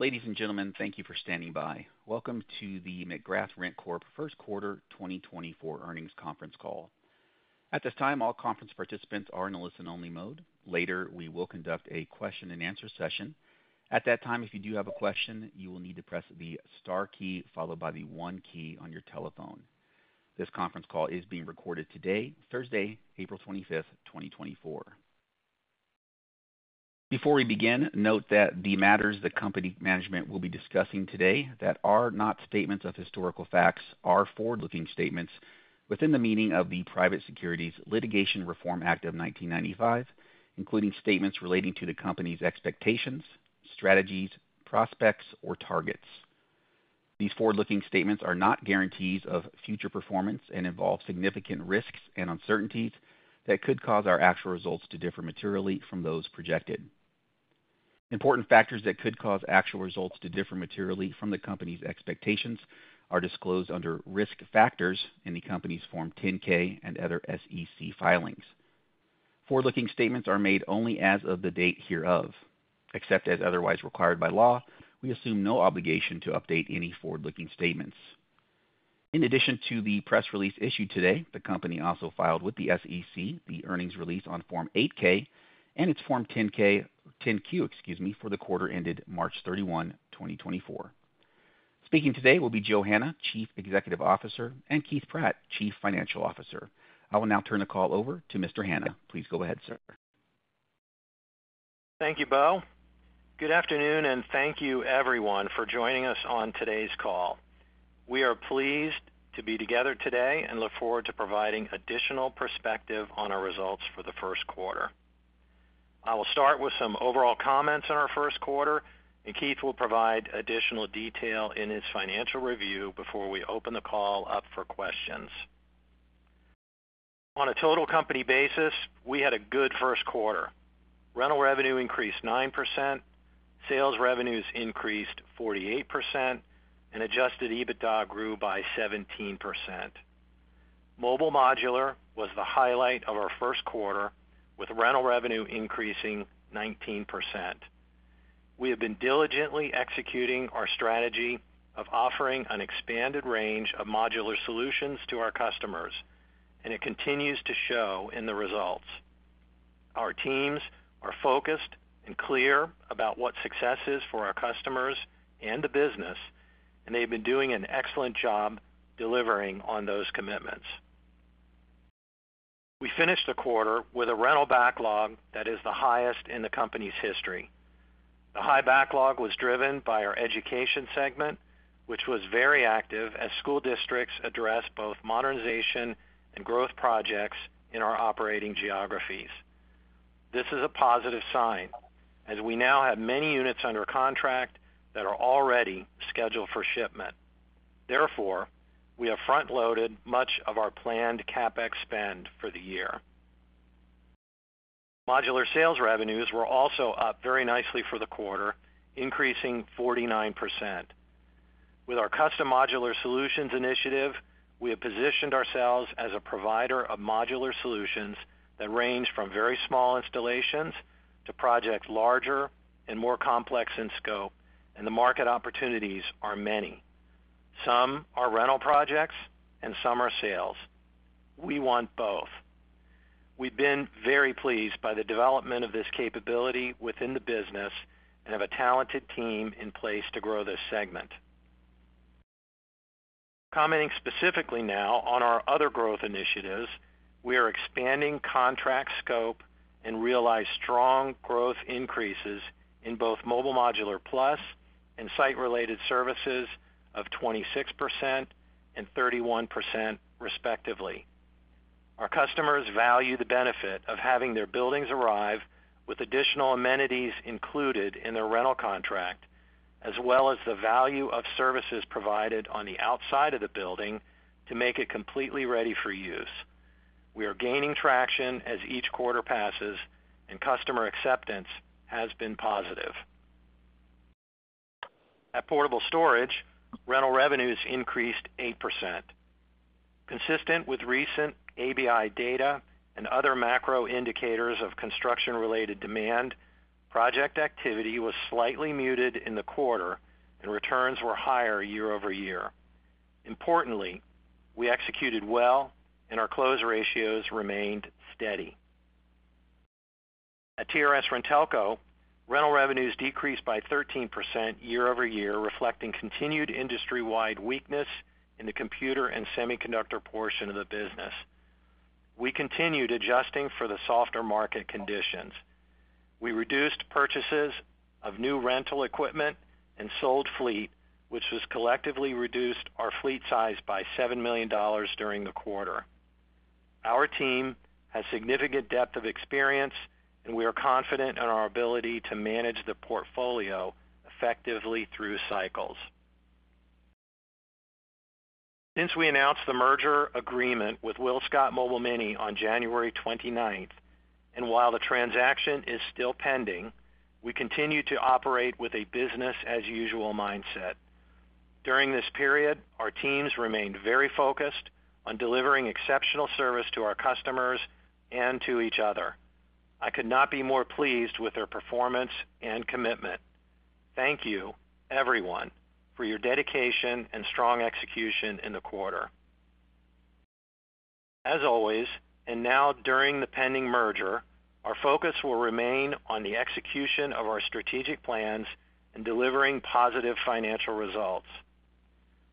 Ladies and gentlemen, thank you for standing by. Welcome to the McGrath RentCorp First Quarter 2024 Earnings Conference Call. At this time, all conference participants are in a listen-only mode. Later, we will conduct a question-and-answer session. At that time, if you do have a question, you will need to press the star key, followed by the one key on your telephone. This conference call is being recorded today, Thursday, April 25th, 2024. Before we begin, note that the matters that company management will be discussing today that are not statements of historical facts are forward-looking statements within the meaning of the Private Securities Litigation Reform Act of 1995, including statements relating to the company's expectations, strategies, prospects, or targets. These forward-looking statements are not guarantees of future performance and involve significant risks and uncertainties that could cause our actual results to differ materially from those projected. Important factors that could cause actual results to differ materially from the company's expectations are disclosed under Risk Factors in the company's Form 10-K and other SEC filings. Forward-looking statements are made only as of the date hereof. Except as otherwise required by law, we assume no obligation to update any forward-looking statements. In addition to the press release issued today, the company also filed with the SEC the earnings release on Form 8-K and its Form 10-Q, excuse me, for the quarter ended March 31, 2024. Speaking today will be Joe Hanna, Chief Executive Officer, and Keith Pratt, Chief Financial Officer. I will now turn the call over to Mr. Hanna. Please go ahead, sir. Thank you, Beau. Good afternoon, and thank you, everyone, for joining us on today's call. We are pleased to be together today and look forward to providing additional perspective on our results for the first quarter. I will start with some overall comments on our first quarter, and Keith will provide additional detail in his financial review before we open the call up for questions. On a total company basis, we had a good first quarter. Rental revenue increased 9%, sales revenues increased 48%, and adjusted EBITDA grew by 17%. Mobile Modular was the highlight of our first quarter, with rental revenue increasing 19%. We have been diligently executing our strategy of offering an expanded range of modular solutions to our customers, and it continues to show in the results. Our teams are focused and clear about what success is for our customers and the business, and they've been doing an excellent job delivering on those commitments. We finished the quarter with a rental backlog that is the highest in the company's history. The high backlog was driven by our education segment, which was very active as school districts addressed both modernization and growth projects in our operating geographies. This is a positive sign, as we now have many units under contract that are already scheduled for shipment. Therefore, we have front-loaded much of our planned CapEx spend for the year. Modular sales revenues were also up very nicely for the quarter, increasing 49%. With our custom modular solutions initiative, we have positioned ourselves as a provider of modular solutions that range from very small installations to projects larger and more complex in scope, and the market opportunities are many. Some are rental projects and some are sales. We want both. We've been very pleased by the development of this capability within the business and have a talented team in place to grow this segment. Commenting specifically now on our other growth initiatives, we are expanding contract scope and realize strong growth increases in both Mobile Modular Plus and site-related services of 26% and 31%, respectively. Our customers value the benefit of having their buildings arrive with additional amenities included in their rental contract, as well as the value of services provided on the outside of the building to make it completely ready for use. We are gaining traction as each quarter passes, and customer acceptance has been positive. At Portable Storage, rental revenues increased 8%. Consistent with recent ABI data and other macro indicators of construction-related demand, project activity was slightly muted in the quarter, and returns were higher year-over-year. Importantly, we executed well, and our close ratios remained steady. At TRS-RenTelco, rental revenues decreased by 13% year-over-year, reflecting continued industry-wide weakness in the computer and semiconductor portion of the business. We continued adjusting for the softer market conditions. We reduced purchases of new rental equipment and sold fleet, which has collectively reduced our fleet size by $7 million during the quarter. Our team has significant depth of experience, and we are confident in our ability to manage the portfolio effectively through cycles. Since we announced the merger agreement with WillScot Mobile Mini on January 29th, and while the transaction is still pending, we continue to operate with a business-as-usual mindset. During this period, our teams remained very focused on delivering exceptional service to our customers and to each other. I could not be more pleased with their performance and commitment. Thank you, everyone, for your dedication and strong execution in the quarter. As always, and now during the pending merger, our focus will remain on the execution of our strategic plans and delivering positive financial results.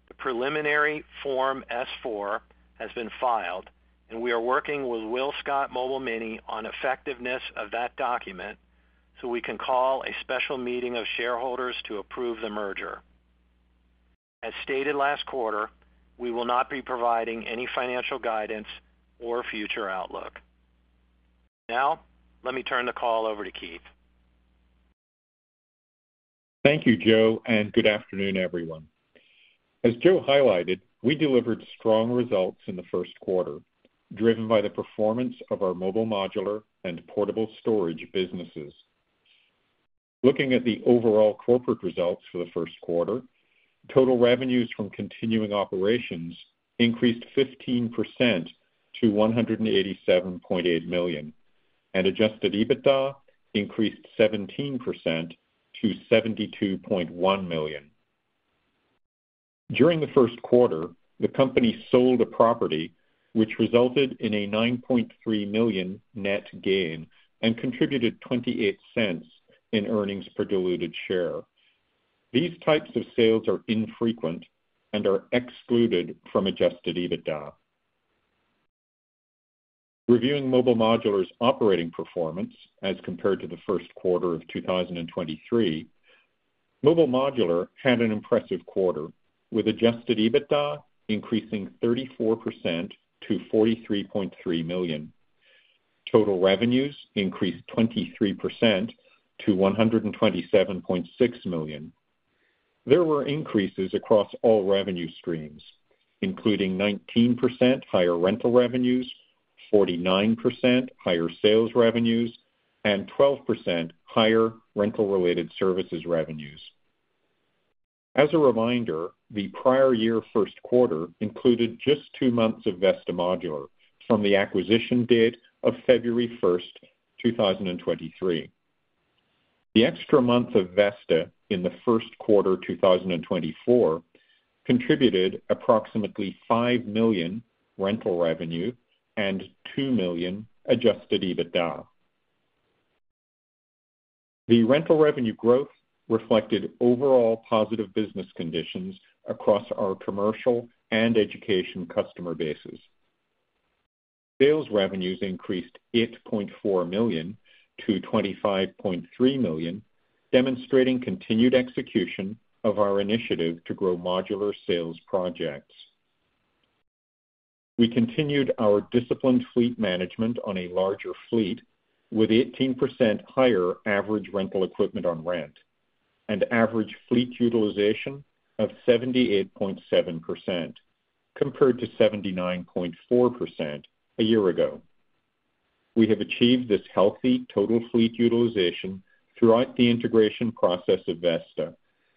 The preliminary Form S-4 has been filed, and we are working with WillScot Mobile Mini on effectiveness of that document so we can call a special meeting of shareholders to approve the merger. As stated last quarter, we will not be providing any financial guidance or future outlook. Now, let me turn the call over to Keith. Thank you, Joe, and good afternoon, everyone. As Joe highlighted, we delivered strong results in the first quarter, driven by the performance of our Mobile Modular and Portable Storage businesses. Looking at the overall corporate results for the first quarter, total revenues from continuing operations increased 15% to $187.8 million, and Adjusted EBITDA increased 17% to $72.1 million. During the first quarter, the company sold a property which resulted in a $9.3 million net gain and contributed $0.28 in earnings per diluted share. These types of sales are infrequent and are excluded from Adjusted EBITDA. Reviewing Mobile Modular's operating performance as compared to the first quarter of 2023, Mobile Modular had an impressive quarter, with Adjusted EBITDA increasing 34% to $43.3 million. Total revenues increased 23% to $127.6 million. There were increases across all revenue streams, including 19% higher rental revenues, 49% higher sales revenues, and 12% higher rental-related services revenues. As a reminder, the prior year first quarter included just 2 months of Vesta Modular from the acquisition date of February 1st, 2023. The extra month of Vesta in the first quarter 2024 contributed approximately $5 million rental revenue and $2 million Adjusted EBITDA. The rental revenue growth reflected overall positive business conditions across our commercial and education customer bases. Sales revenues increased $8.4 million to $25.3 million, demonstrating continued execution of our initiative to grow modular sales projects. We continued our disciplined fleet management on a larger fleet, with 18% higher average rental equipment on rent and average fleet utilization of 78.7%, compared to 79.4% a year ago. We have achieved this healthy total fleet utilization throughout the integration process of Vesta,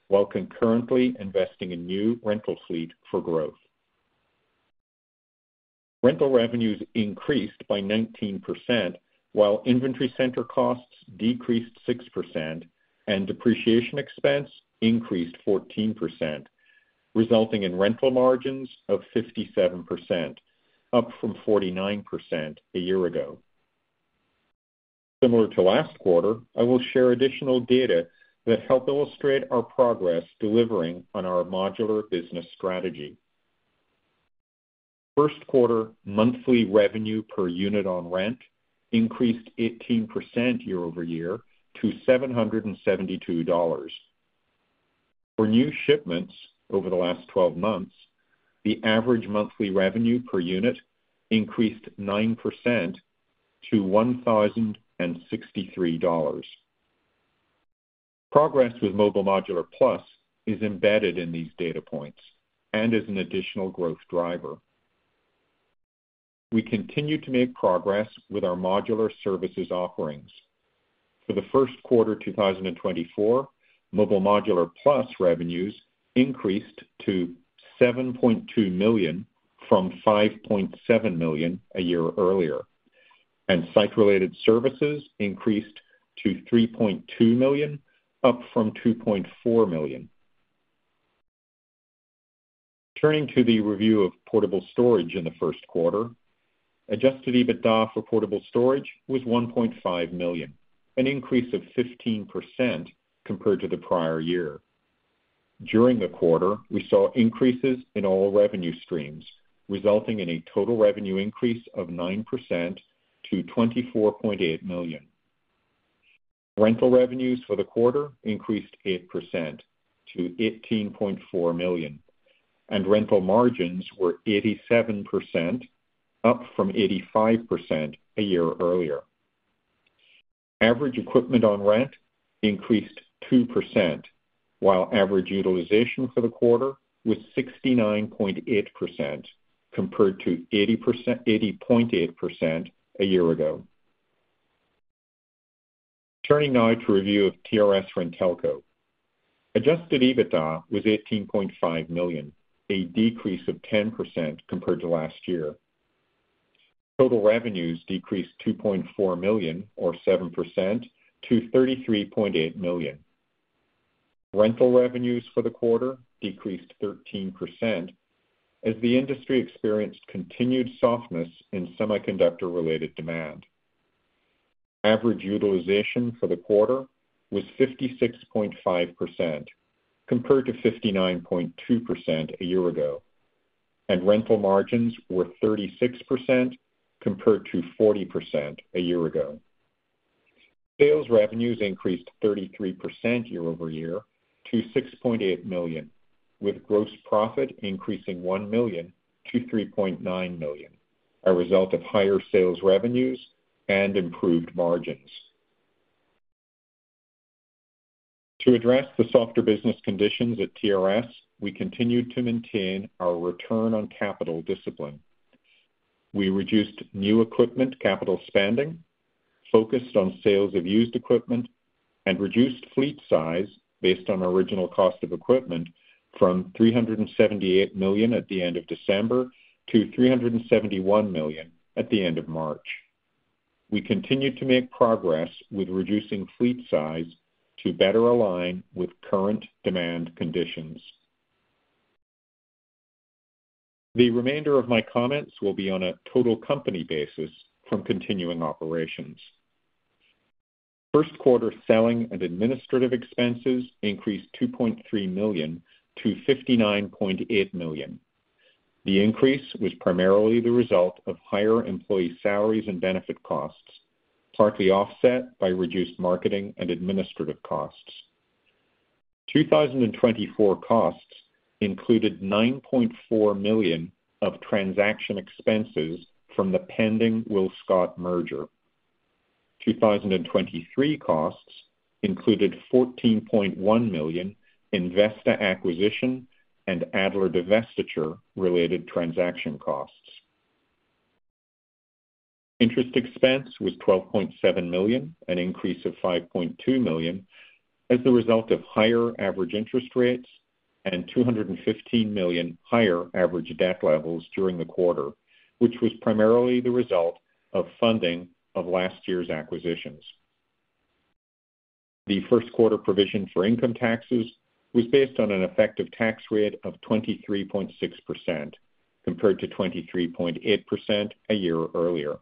while concurrently investing in new rental fleet for growth. Rental revenues increased by 19%, while inventory center costs decreased 6% and depreciation expense increased 14%, resulting in rental margins of 57%, up from 49% a year ago. Similar to last quarter, I will share additional data that help illustrate our progress delivering on our modular business strategy. First quarter monthly revenue per unit on rent increased 18% year-over-year to $772. For new shipments over the last 12 months, the average monthly revenue per unit increased 9% to $1,063. Progress with Mobile Modular Plus is embedded in these data points and is an additional growth driver. We continue to make progress with our modular services offerings. For the first quarter 2024, Mobile Modular Plus revenues increased to $7.2 million from $5.7 million a year earlier, and site-related services increased to $3.2 million, up from $2.4 million. Turning to the review of Portable Storage in the first quarter, Adjusted EBITDA for Portable Storage was $1.5 million, an increase of 15% compared to the prior year. During the quarter, we saw increases in all revenue streams, resulting in a total revenue increase of 9% to $24.8 million. Rental revenues for the quarter increased 8% to $18.4 million, and rental margins were 87%, up from 85% a year earlier. Average equipment on rent increased 2%, while average utilization for the quarter was 69.8%, compared to 80.8% a year ago. Turning now to review of TRS-RenTelco. Adjusted EBITDA was $18.5 million, a decrease of 10% compared to last year. Total revenues decreased $2.4 million, or 7%, to $33.8 million. Rental revenues for the quarter decreased 13% as the industry experienced continued softness in semiconductor-related demand. Average utilization for the quarter was 56.5% compared to 59.2% a year ago, and rental margins were 36% compared to 40% a year ago. Sales revenues increased 33% year-over-year to $6.8 million, with gross profit increasing $1 million to $3.9 million, a result of higher sales revenues and improved margins. To address the softer business conditions at TRS, we continued to maintain our return on capital discipline. We reduced new equipment capital spending, focused on sales of used equipment, and reduced fleet size based on original cost of equipment from $378 million at the end of December to $371 million at the end of March. We continued to make progress with reducing fleet size to better align with current demand conditions. The remainder of my comments will be on a total company basis from continuing operations. First quarter selling and administrative expenses increased $2.3 million to $59.8 million. The increase was primarily the result of higher employee salaries and benefit costs, partly offset by reduced marketing and administrative costs. 2024 costs included $9.4 million of transaction expenses from the pending WillScot merger. 2023 costs included $14.1 million in Vesta acquisition and Adler divestiture-related transaction costs. Interest expense was $12.7 million, an increase of $5.2 million, as the result of higher average interest rates and $215 million higher average debt levels during the quarter, which was primarily the result of funding of last year's acquisitions. The first quarter provision for income taxes was based on an effective tax rate of 23.6%, compared to 23.8% a year earlier.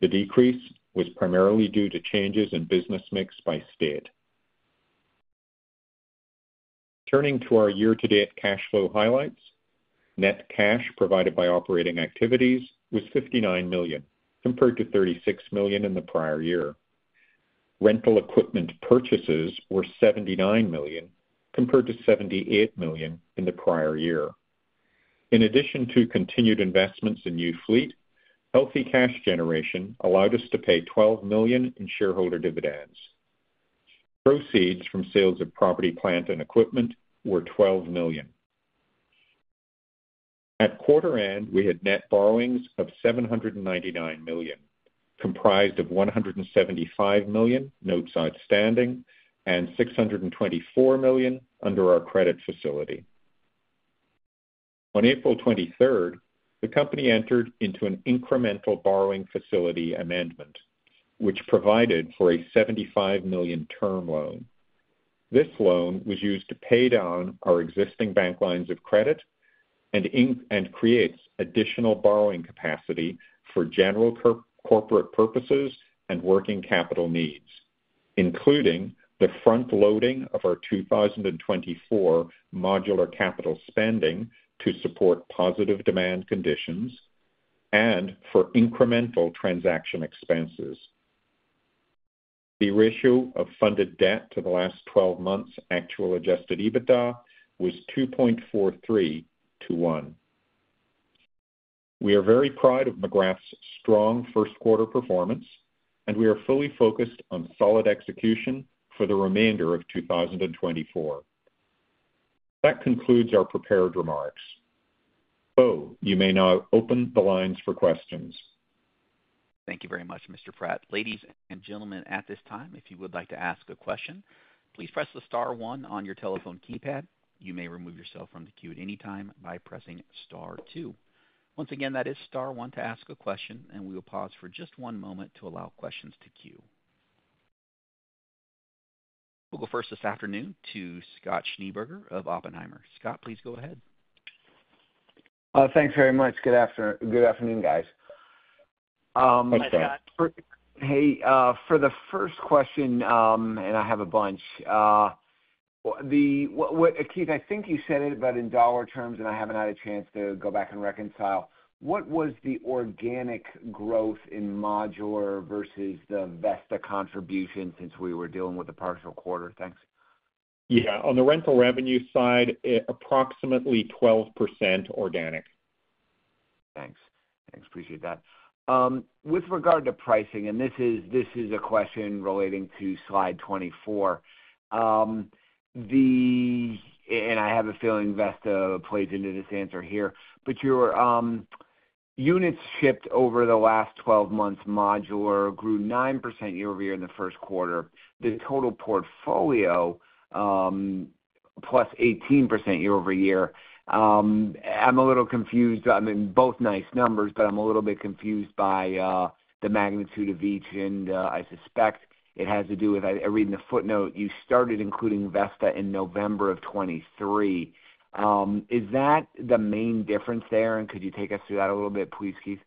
The decrease was primarily due to changes in business mix by state. Turning to our year-to-date cash flow highlights. Net cash provided by operating activities was $59 million, compared to $36 million in the prior year. Rental equipment purchases were $79 million, compared to $78 million in the prior year. In addition to continued investments in new fleet, healthy cash generation allowed us to pay $12 million in shareholder dividends. Proceeds from sales of property, plant, and equipment were $12 million. At quarter end, we had net borrowings of $799 million, comprised of $175 million notes outstanding and $624 million under our credit facility. On April 23rd, the company entered into an incremental borrowing facility amendment, which provided for a $75 million term loan. This loan was used to pay down our existing bank lines of credit and creates additional borrowing capacity for general corporate purposes and working capital needs, including the front loading of our 2024 modular capital spending to support positive demand conditions and for incremental transaction expenses. The ratio of funded debt to the last 12 months actual adjusted EBITDA was 2.43 to 1. We are very proud of McGrath's strong first quarter performance, and we are fully focused on solid execution for the remainder of 2024. That concludes our prepared remarks. Beau, you may now open the lines for questions. Thank you very much, Mr. Pratt. Ladies and gentlemen, at this time, if you would like to ask a question, please press the star one on your telephone keypad. You may remove yourself from the queue at any time by pressing star two. Once again, that is star one to ask a question, and we will pause for just one moment to allow questions to queue. We'll go first this afternoon to Scott Schneeberger of Oppenheimer. Scott, please go ahead. Thanks very much. Good afternoon, guys. Thanks, Scott. Hey, for the first question, and I have a bunch, Keith, I think you said it, but in dollar terms, and I haven't had a chance to go back and reconcile, what was the organic growth in modular versus the Vesta contribution since we were dealing with the partial quarter? Thanks. Yeah. On the rental revenue side, approximately 12% organic. Thanks. Thanks, appreciate that. With regard to pricing, and this is a question relating to slide 24, and I have a feeling Vesta plays into this answer here, but your units shipped over the last 12 months, modular grew 9% year-over-year in the first quarter. The total portfolio plus 18% year-over-year. I'm a little confused. I mean, both nice numbers, but I'm a little bit confused by the magnitude of each, and I suspect it has to do with I read in the footnote, you started including Vesta in November of 2023. Is that the main difference there? And could you take us through that a little bit, please, Keith?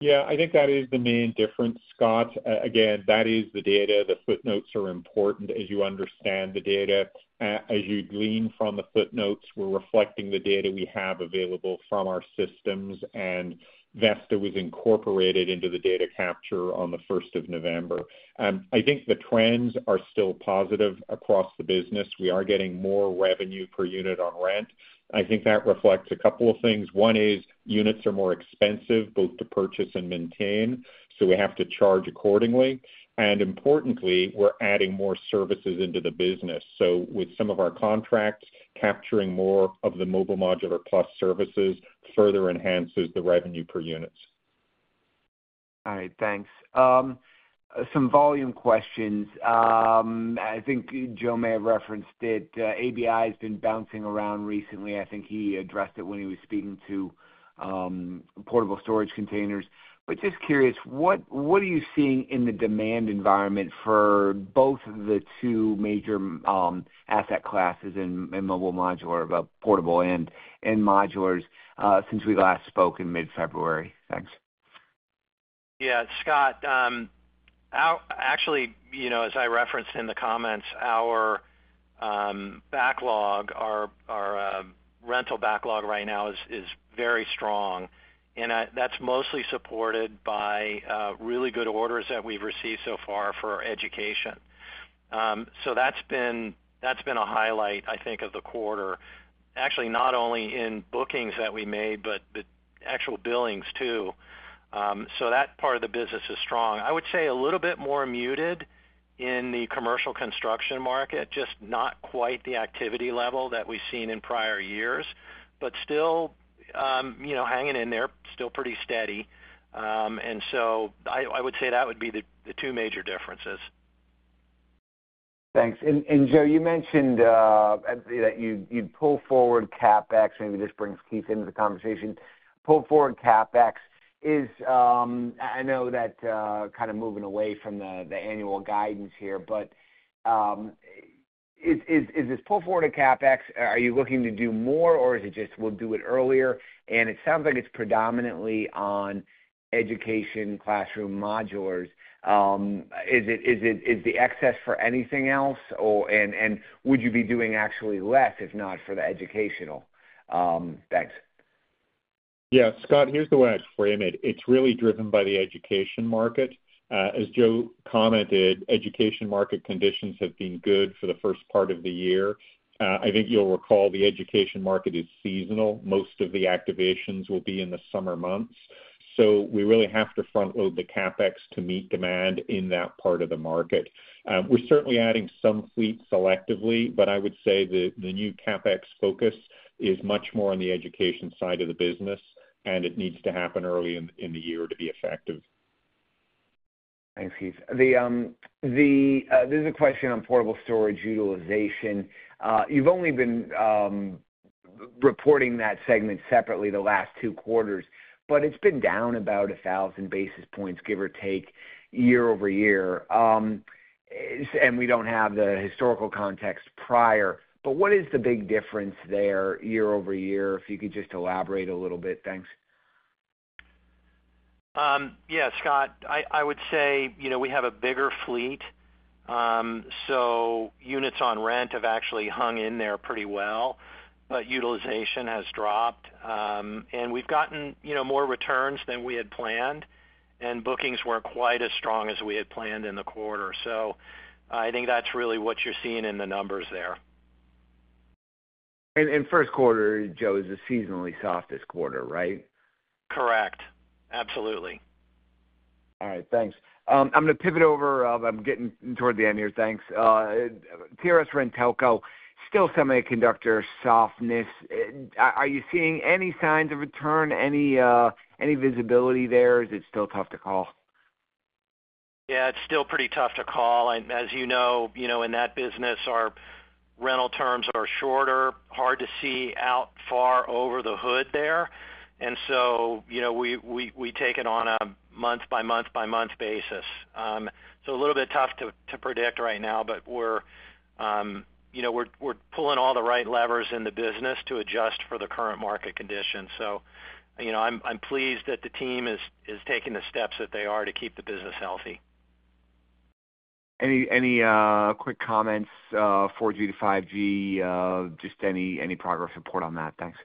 Yeah, I think that is the main difference, Scott. Again, that is the data. The footnotes are important as you understand the data. As you glean from the footnotes, we're reflecting the data we have available from our systems, and Vesta was incorporated into the data capture on the first of November. I think the trends are still positive across the business. We are getting more revenue per unit on rent, and I think that reflects a couple of things. One is units are more expensive, both to purchase and maintain, so we have to charge accordingly. And importantly, we're adding more services into the business. So with some of our contracts, capturing more of the Mobile Modular Plus services further enhances the revenue per units. All right, thanks. Some volume questions. I think Joe may have referenced it, ABI has been bouncing around recently. I think he addressed it when he was speaking to portable storage containers. But just curious, what are you seeing in the demand environment for both the two major asset classes in Mobile Modular, portable and modulars, since we last spoke in mid-February? Thanks. Yeah, Scott, actually, you know, as I referenced in the comments, our backlog, our rental backlog right now is very strong, and that's mostly supported by really good orders that we've received so far for education. So that's been a highlight, I think, of the quarter. Actually, not only in bookings that we made, but the actual billings too. So that part of the business is strong. I would say a little bit more muted in the commercial construction market, just not quite the activity level that we've seen in prior years, but still, you know, hanging in there, still pretty steady. And so I would say that would be the two major differences. Thanks. And Joe, you mentioned that you'd pull forward CapEx, maybe this brings Keith into the conversation. Pull forward CapEx is... I know that kind of moving away from the annual guidance here, but is this pull forward to CapEx, are you looking to do more, or is it just we'll do it earlier? And it sounds like it's predominantly on education classroom modulars. Is the excess for anything else, or and would you be doing actually less, if not for the educational? Thanks. Yeah, Scott, here's the way I'd frame it: It's really driven by the education market. As Joe commented, education market conditions have been good for the first part of the year. I think you'll recall the education market is seasonal. Most of the activations will be in the summer months, so we really have to front-load the CapEx to meet demand in that part of the market. We're certainly adding some fleet selectively, but I would say the new CapEx focus is much more on the education side of the business, and it needs to happen early in the year to be effective. Thanks, Keith. This is a question on portable storage utilization. You've only been reporting that segment separately the last two quarters, but it's been down about 1,000 basis points, give or take, year-over-year. And we don't have the historical context prior, but what is the big difference there year-over-year, if you could just elaborate a little bit? Thanks. Yeah, Scott, I would say, you know, we have a bigger fleet, so units on rent have actually hung in there pretty well, but utilization has dropped. And we've gotten, you know, more returns than we had planned, and bookings weren't quite as strong as we had planned in the quarter. So I think that's really what you're seeing in the numbers there. First quarter, Joe, is a seasonally softest quarter, right? Correct. Absolutely. All right, thanks. I'm gonna pivot over, I'm getting toward the end here, thanks. TRS-RenTelco, still semiconductor softness. Are you seeing any signs of return, any visibility there, or is it still tough to call? Yeah, it's still pretty tough to call, and as you know, you know, in that business, our rental terms are shorter, hard to see out far over the hood there. And so, you know, we take it on a month-by-month basis. So a little bit tough to predict right now, but we're, you know, we're pulling all the right levers in the business to adjust for the current market conditions. So, you know, I'm pleased that the team is taking the steps that they are to keep the business healthy. Any quick comments, 4G to 5G, just any progress report on that? Thanks.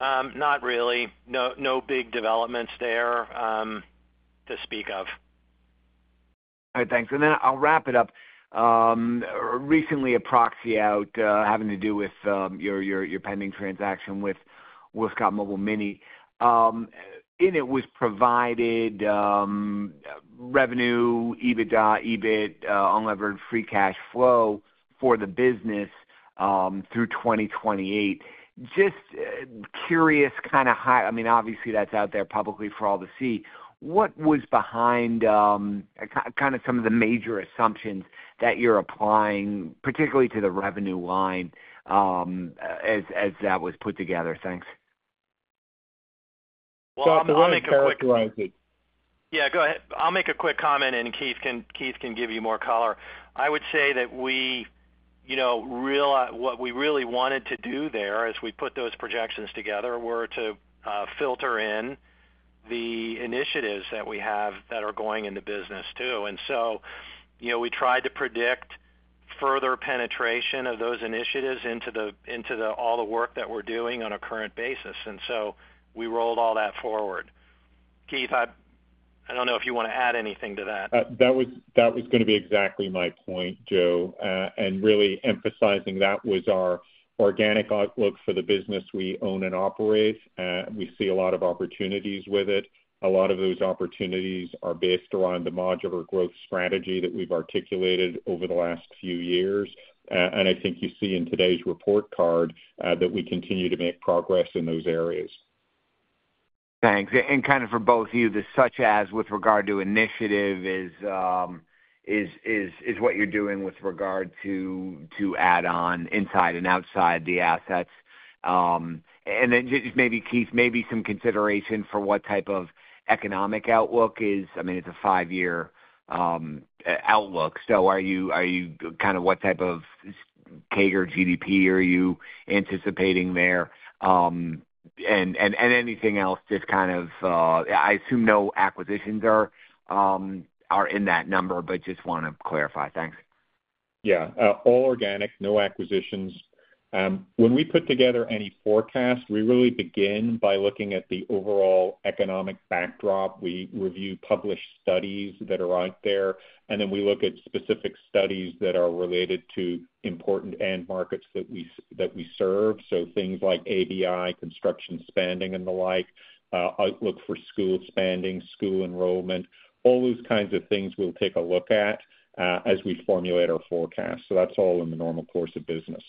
Not really. No, no big developments there, to speak of. All right, thanks. And then I'll wrap it up. Recently, a proxy out having to do with your pending transaction with WillScot Mobile Mini. In it was provided revenue, EBITDA, EBIT, unlevered free cash flow for the business through 2028. Just curious, kind of high- I mean, obviously, that's out there publicly for all to see. What was behind kind of some of the major assumptions that you're applying, particularly to the revenue line, as that was put together? Thanks. Well, I'll make a quick- Yeah, go ahead. I'll make a quick comment, and Keith can give you more color. I would say that we, you know, what we really wanted to do there as we put those projections together, were to filter in the initiatives that we have that are going in the business, too. And so, you know, we tried to predict further penetration of those initiatives into all the work that we're doing on a current basis, and so we rolled all that forward. Keith, I don't know if you want to add anything to that. That was, that was gonna be exactly my point, Joe. And really emphasizing that was our organic outlook for the business we own and operate, we see a lot of opportunities with it. A lot of those opportunities are based around the modular growth strategy that we've articulated over the last few years. And I think you see in today's report card, that we continue to make progress in those areas. Thanks. Kind of for both of you, such as with regard to the initiative is what you're doing with regard to add on inside and outside the assets. And then just maybe, Keith, some consideration for what type of economic outlook is. I mean, it's a five-year outlook. So are you kind of what type of CAGR GDP are you anticipating there? And anything else, just kind of I assume no acquisitions are in that number, but just want to clarify. Thanks. Yeah. All organic, no acquisitions. When we put together any forecast, we really begin by looking at the overall economic backdrop. We review published studies that are out there, and then we look at specific studies that are related to important end markets that we serve. So things like ABI, construction spending and the like, outlook for school spending, school enrollment, all those kinds of things we'll take a look at, as we formulate our forecast. So that's all in the normal course of business.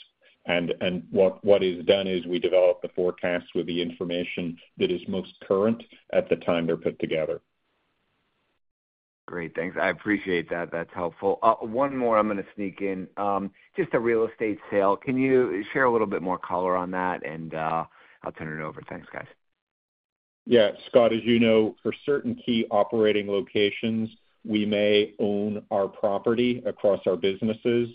And what is done is we develop the forecast with the information that is most current at the time they're put together. Great, thanks. I appreciate that. That's helpful. One more I'm gonna sneak in. Just the real estate sale. Can you share a little bit more color on that? And, I'll turn it over. Thanks, guys. Yeah, Scott, as you know, for certain key operating locations, we may own our property across our businesses.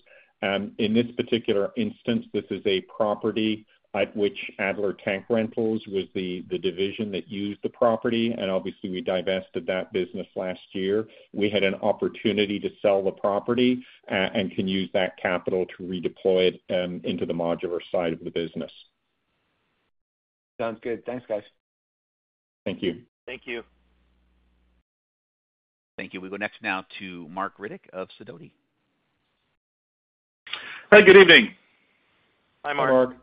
In this particular instance, this is a property at which Adler Tank Rentals was the division that used the property, and obviously, we divested that business last year. We had an opportunity to sell the property, and can use that capital to redeploy it into the modular side of the business. Sounds good. Thanks, guys. Thank you. Thank you. Thank you. We go next now to Marc Riddick of Sidoti. Hi, good evening. Hi, Marc. Hi, Marc.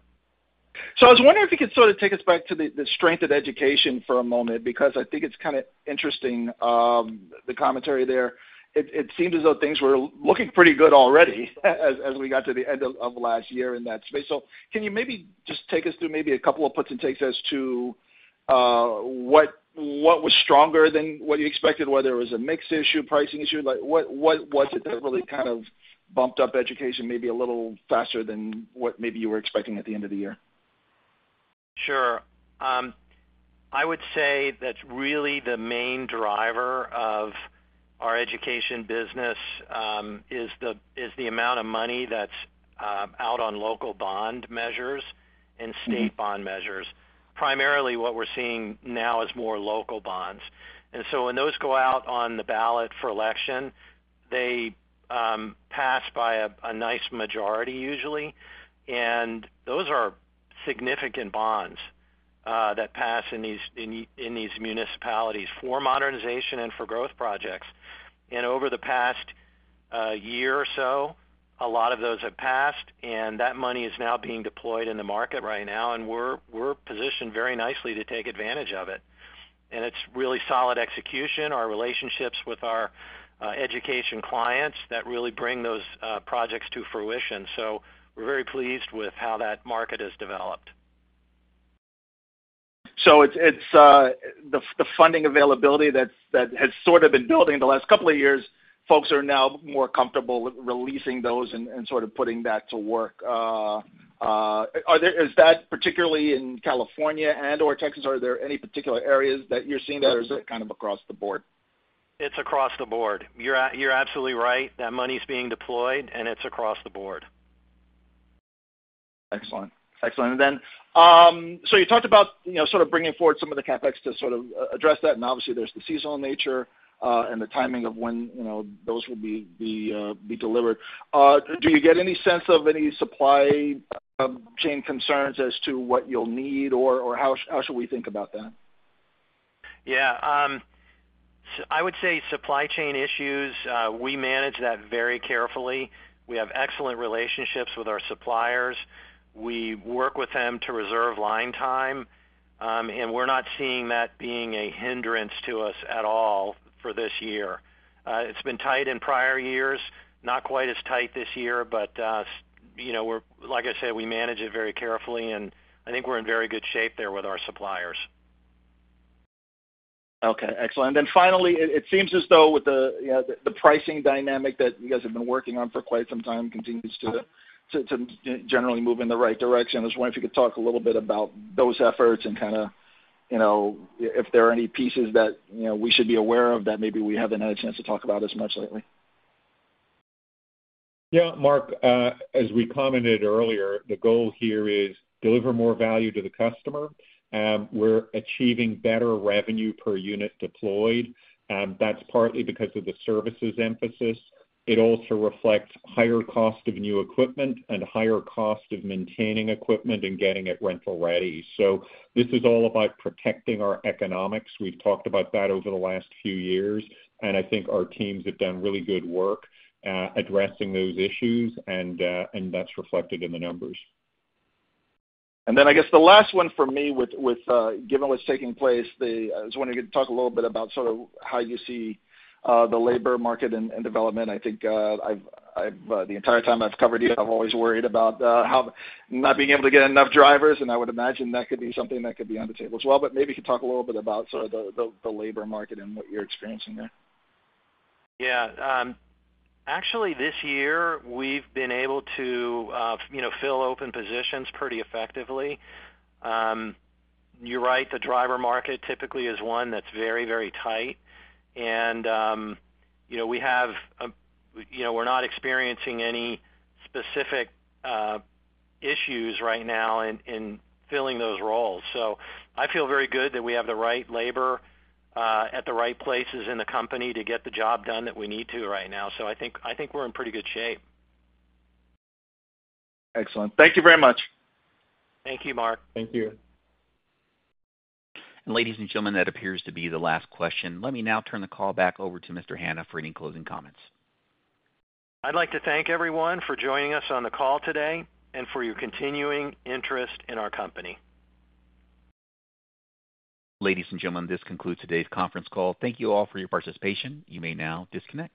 I was wondering if you could sort of take us back to the strength of education for a moment, because I think it's kind of interesting, the commentary there. It seemed as though things were looking pretty good already as we got to the end of last year in that space. Can you maybe just take us through maybe a couple of puts and takes as to what was stronger than what you expected, whether it was a mix issue, pricing issue? Like, what was it that really kind of bumped up education maybe a little faster than what maybe you were expecting at the end of the year? Sure. I would say that really the main driver of our education business is the amount of money that's out on local bond measures and state- Mm-hmm.... bond measures. Primarily, what we're seeing now is more local bonds. And so when those go out on the ballot for election, they pass by a nice majority usually, and those are significant bonds that pass in these municipalities for modernization and for growth projects. And over the past year or so, a lot of those have passed, and that money is now being deployed in the market right now, and we're positioned very nicely to take advantage of it. And it's really solid execution, our relationships with our education clients that really bring those projects to fruition. So we're very pleased with how that market has developed. So it's the funding availability that's that has sort of been building the last couple of years, folks are now more comfortable with releasing those and sort of putting that to work. Is that particularly in California and/or Texas? Are there any particular areas that you're seeing that, or is it kind of across the board? It's across the board. You're absolutely right. That money's being deployed, and it's across the board. Excellent. Excellent. And then, so you talked about, you know, sort of bringing forward some of the CapEx to sort of address that, and obviously, there's the seasonal nature, and the timing of when, you know, those will be delivered. Do you get any sense of any supply chain concerns as to what you'll need, or how should we think about that? Yeah, I would say supply chain issues, we manage that very carefully. We have excellent relationships with our suppliers. We work with them to reserve line time, and we're not seeing that being a hindrance to us at all for this year. It's been tight in prior years, not quite as tight this year, but, you know, like I said, we manage it very carefully, and I think we're in very good shape there with our suppliers. Okay, excellent. Then finally, it seems as though with the, you know, the pricing dynamic that you guys have been working on for quite some time continues to generally move in the right direction. I was wondering if you could talk a little bit about those efforts and kind of, you know, if there are any pieces that, you know, we should be aware of that maybe we haven't had a chance to talk about as much lately. Yeah, Marc, as we commented earlier, the goal here is deliver more value to the customer. We're achieving better revenue per unit deployed, and that's partly because of the services emphasis. It also reflects higher cost of new equipment and higher cost of maintaining equipment and getting it rental-ready. So this is all about protecting our economics. We've talked about that over the last few years, and I think our teams have done really good work addressing those issues, and that's reflected in the numbers. And then I guess the last one for me with given what's taking place, I was wondering if you could talk a little bit about sort of how you see the labor market and development. I think, I've the entire time I've covered you, I've always worried about not being able to get enough drivers, and I would imagine that could be something that could be on the table as well. But maybe you could talk a little bit about sort of the labor market and what you're experiencing there. Yeah. Actually, this year, we've been able to, you know, fill open positions pretty effectively. You're right, the driver market typically is one that's very, very tight, and, you know, we have, you know, we're not experiencing any specific, issues right now in, in filling those roles. So I feel very good that we have the right labor, at the right places in the company to get the job done that we need to right now. So I think, I think we're in pretty good shape. Excellent. Thank you very much. Thank you, Marc. Thank you. Ladies and gentlemen, that appears to be the last question. Let me now turn the call back over to Mr. Hanna for any closing comments. I'd like to thank everyone for joining us on the call today and for your continuing interest in our company. Ladies and gentlemen, this concludes today's conference call. Thank you all for your participation. You may now disconnect.